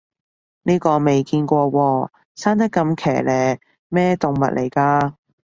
呢個未見過喎，生得咁奇離，咩動物嚟㗎